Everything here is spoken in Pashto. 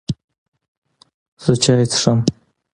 زه چای څښم